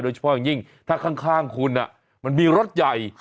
เฉพาะอย่างยิ่งถ้าข้างคุณมันมีรถใหญ่